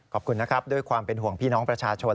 ขอบคุณนะครับด้วยความเป็นห่วงพี่น้องประชาชน